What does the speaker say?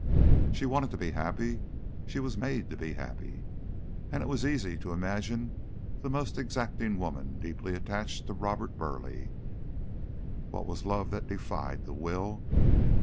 She wanted to be happy, she was made to be happy, and it was easy to imagine the most exacting woman deeply attached to Robert Burleigh. What was love that it defied the Will?